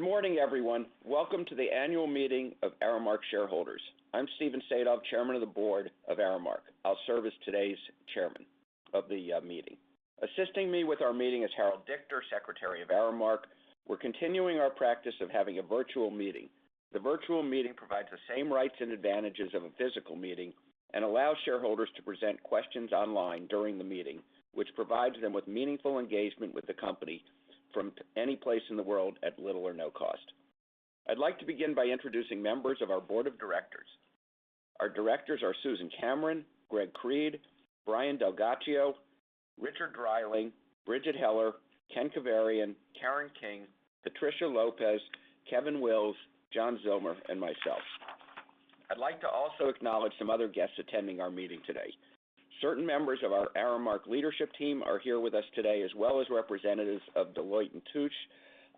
Good morning, everyone. Welcome to the annual meeting of Aramark shareholders. I'm Stephen Sadove, Chairman of the Board of Aramark. I'll serve as today's Chairman of the meeting. Assisting me with our meeting is Harold Dichter, Secretary of Aramark. We're continuing our practice of having a virtual meeting. The virtual meeting provides the same rights and advantages of a physical meeting and allows shareholders to present questions online during the meeting, which provides them with meaningful engagement with the company from any place in the world at little or no cost. I'd like to begin by introducing members of our Board of Directors. Our directors are Susan Cameron, Greg Creed, Brian DelGhiaccio, Richard Dreiling, Bridgette Heller, Ken Keverian, Karen King, Patricia Lopez, Kevin Wills, John Zillmer, and myself. I'd like to also acknowledge some other guests attending our meeting today. Certain members of our Aramark leadership team are here with us today, as well as representatives of Deloitte & Touche,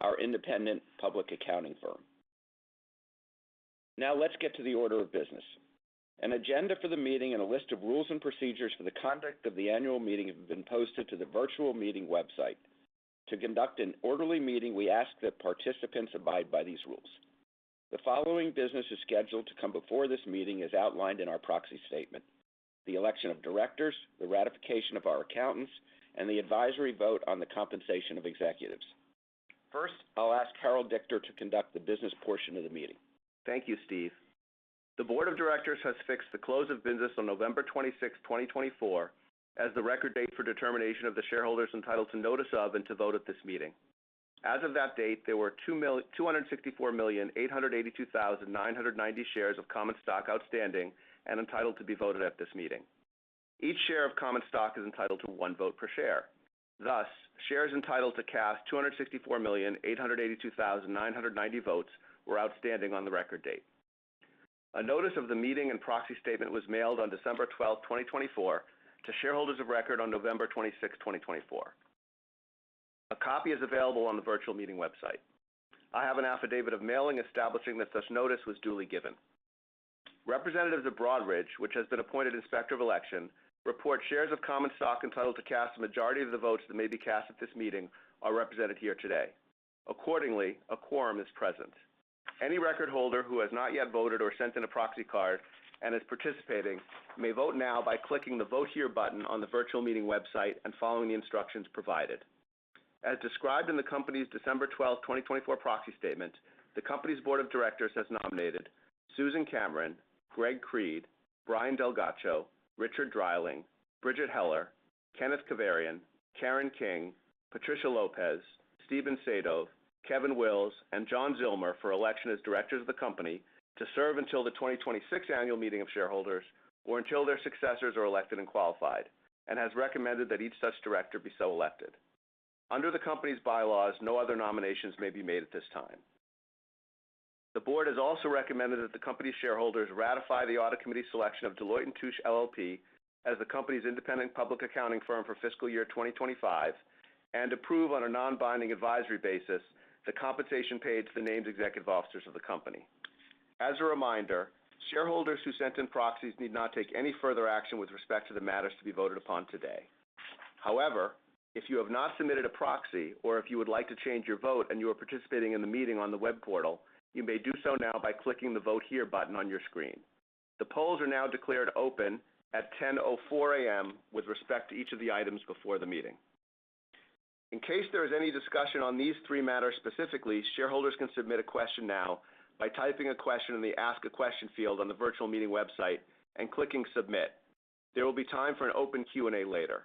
our independent public accounting firm. Now, let's get to the order of business. An agenda for the meeting and a list of rules and procedures for the conduct of the annual meeting have been posted to the virtual meeting website. To conduct an orderly meeting, we ask that participants abide by these rules. The following business is scheduled to come before this meeting as outlined in our proxy statement: the election of directors, the ratification of our accountants, and the advisory vote on the compensation of executives. First, I'll ask Harold Dichter to conduct the business portion of the meeting. Thank you, Steve. The Board of Directors has fixed the close of business on November 26, 2024, as the record date for determination of the shareholders entitled to notice of and to vote at this meeting. As of that date, there were 264,882,990 shares of common stock outstanding and entitled to be voted at this meeting. Each share of common stock is entitled to one vote per share. Thus, shares entitled to cast 264,882,990 votes were outstanding on the record date. A notice of the meeting and proxy statement was mailed on December 12, 2024, to shareholders of record on November 26, 2024. A copy is available on the virtual meeting website. I have an affidavit of mailing establishing that such notice was duly given. Representatives of Broadridge, which has been appointed Inspector of Election, report shares of common stock entitled to cast the majority of the votes that may be cast at this meeting are represented here today. Accordingly, a quorum is present. Any record holder who has not yet voted or sent in a proxy card and is participating may vote now by clicking the "Vote Here" button on the virtual meeting website and following the instructions provided. As described in the company's December 12, 2024, proxy statement, the company's Board of Directors has nominated Susan Cameron, Greg Creed, Brian DelGhiaccio, Richard Dreiling, Bridgette Heller, Kenneth Keverian, Karen King, Patricia Lopez, Stephen Sadove, Kevin Wills, and John Zillmer for election as directors of the company to serve until the 2026 annual meeting of shareholders or until their successors are elected and qualified, and has recommended that each such director be so elected. Under the company's bylaws, no other nominations may be made at this time. The board has also recommended that the company's shareholders ratify the audit committee selection of Deloitte & Touche LLP as the company's independent public accounting firm for fiscal year 2025 and approve on a non-binding advisory basis the compensation paid to the named executive officers of the company. As a reminder, shareholders who sent in proxies need not take any further action with respect to the matters to be voted upon today. However, if you have not submitted a proxy or if you would like to change your vote and you are participating in the meeting on the web portal, you may do so now by clicking the "Vote Here" button on your screen. The polls are now declared open at 10:04 A.M. with respect to each of the items before the meeting. In case there is any discussion on these three matters specifically, shareholders can submit a question now by typing a question in the "Ask a Question" field on the virtual meeting website and clicking "Submit." There will be time for an open Q&A later.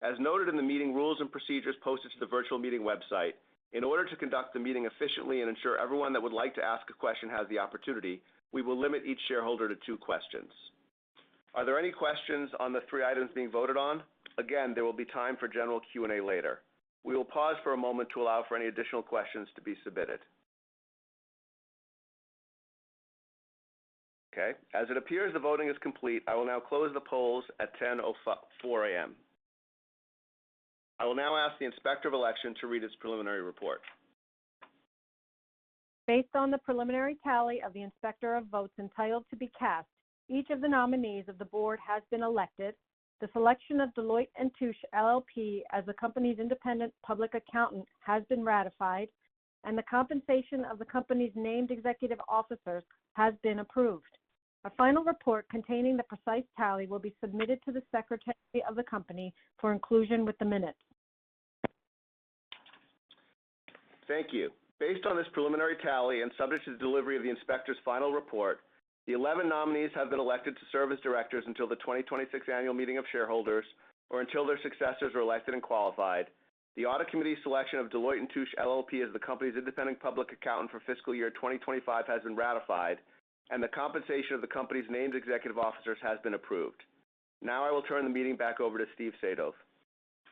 As noted in the meeting rules and procedures posted to the virtual meeting website, in order to conduct the meeting efficiently and ensure everyone that would like to ask a question has the opportunity, we will limit each shareholder to two questions. Are there any questions on the three items being voted on? Again, there will be time for general Q&A later. We will pause for a moment to allow for any additional questions to be submitted. Okay. As it appears the voting is complete, I will now close the polls at 10:04 A.M. I will now ask the Inspector of Election to read its preliminary report. Based on the preliminary tally of the inspector of election, votes entitled to be cast, each of the nominees of the board has been elected, the selection of Deloitte & Touche LLP as the company's independent public accountant has been ratified, and the compensation of the company's named executive officers has been approved. A final report containing the precise tally will be submitted to the secretary of the company for inclusion with the minutes. Thank you. Based on this preliminary tally and subject to the delivery of the inspector's final report, the 11 nominees have been elected to serve as directors until the 2026 annual meeting of shareholders or until their successors are elected and qualified. The audit committee selection of Deloitte & Touche LLP as the company's independent public accountant for fiscal year 2025 has been ratified, and the compensation of the company's named executive officers has been approved. Now I will turn the meeting back over to Steve Sadove.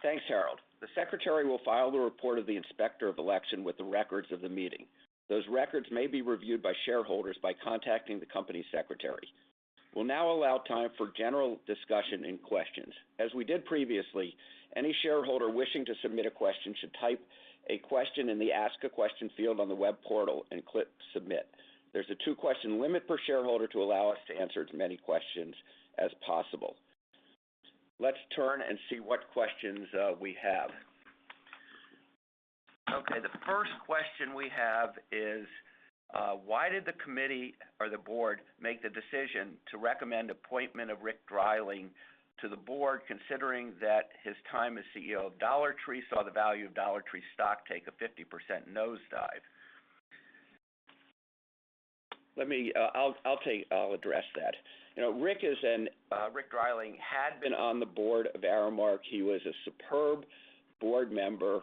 Thanks, Harold. The secretary will file the report of the Inspector of Election with the records of the meeting. Those records may be reviewed by shareholders by contacting the company's secretary. We'll now allow time for general discussion and questions. As we did previously, any shareholder wishing to submit a question should type a question in the "Ask a Question" field on the web portal and click "Submit." There's a two-question limit per shareholder to allow us to answer as many questions as possible. Let's turn and see what questions we have. Okay. The first question we have is, why did the committee or the board make the decision to recommend appointment of Rick Dreiling to the board, considering that his time as CEO of Dollar Tree saw the value of Dollar Tree stock take a 50% nosedive? I'll address that. Rick is an. Rick Dreiling had been on the board of Aramark. He was a superb board member,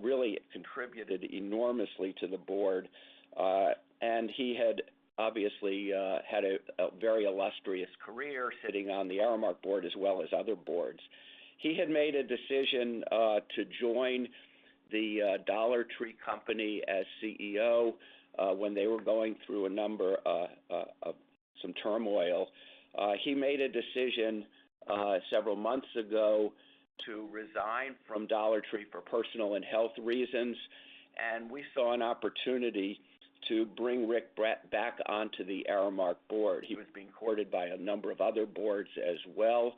really contributed enormously to the board, and he had obviously had a very illustrious career sitting on the Aramark board as well as other boards. He had made a decision to join the Dollar Tree Company as CEO when they were going through a number of some turmoil. He made a decision several months ago to resign from Dollar Tree for personal and health reasons, and we saw an opportunity to bring Rick back onto the Aramark board. He was being courted by a number of other boards as well.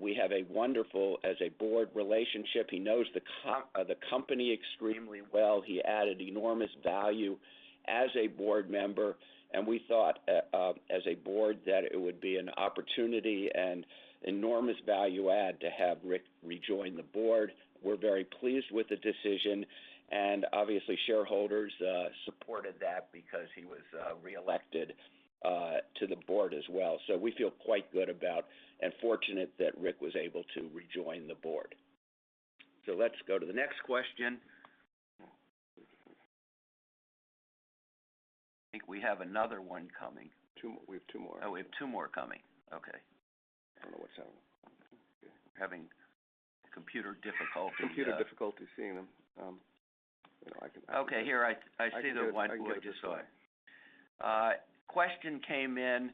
We have a wonderful, as a board, relationship. He knows the company extremely well. He added enormous value as a board member, and we thought as a board that it would be an opportunity and enormous value add to have Rick rejoin the board. We're very pleased with the decision, and obviously, shareholders supported that because he was reelected to the board as well. So we feel quite good about and fortunate that Rick was able to rejoin the board. So let's go to the next question. I think we have another one coming. We have two more. Oh, we have two more coming. Okay. I don't know what's happening. Having computer difficulty. Computer difficulty seeing them. Okay. Here I see the one who I just saw. Question came in,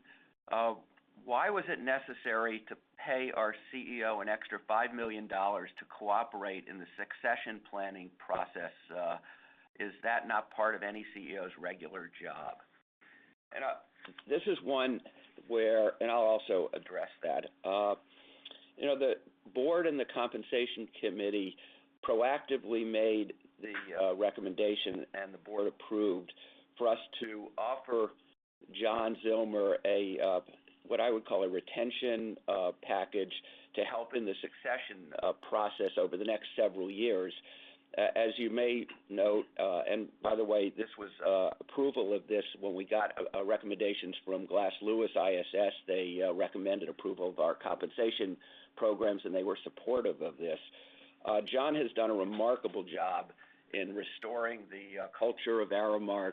why was it necessary to pay our CEO an extra $5 million to cooperate in the succession planning process? Is that not part of any CEO's regular job? This is one where, and I'll also address that. The board and the compensation committee proactively made the recommendation, and the board approved for us to offer John Zillmer what I would call a retention package to help in the succession process over the next several years. As you may note, and by the way, this was approval of this when we got recommendations from Glass Lewis, ISS. They recommended approval of our compensation programs, and they were supportive of this. John has done a remarkable job in restoring the culture of Aramark,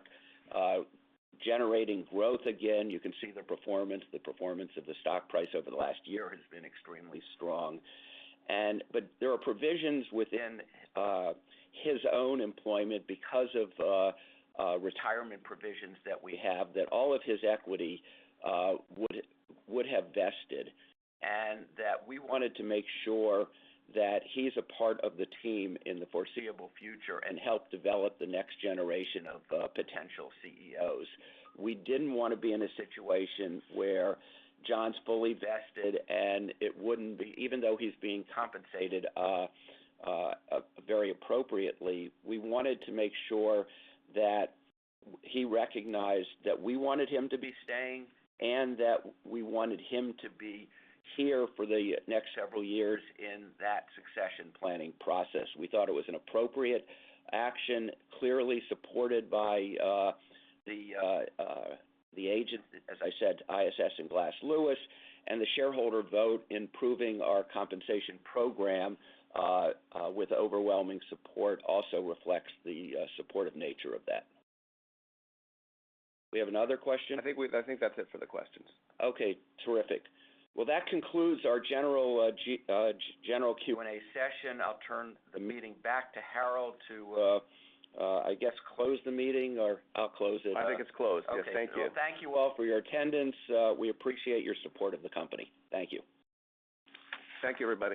generating growth again. You can see the performance. The performance of the stock price over the last year has been extremely strong. But there are provisions within his own employment because of retirement provisions that we have that all of his equity would have vested, and that we wanted to make sure that he's a part of the team in the foreseeable future and help develop the next generation of potential CEOs. We didn't want to be in a situation where John's fully vested, and it wouldn't be, even though he's being compensated very appropriately. We wanted to make sure that he recognized that we wanted him to be staying and that we wanted him to be here for the next several years in that succession planning process. We thought it was an appropriate action, clearly supported by the agencies, as I said, ISS and Glass Lewis, and the shareholder vote approving our compensation program with overwhelming support also reflects the supportive nature of that. We have another question. I think that's it for the questions. Okay. Terrific. Well, that concludes our general Q&A session. I'll turn the meeting back to Harold to, I guess, close the meeting, or I'll close it. I think it's closed. Okay. Thank you. Well, thank you all for your attendance. We appreciate your support of the company. Thank you. Thank you, everybody.